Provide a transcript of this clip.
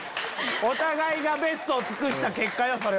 お互いがベストを尽くした結果よ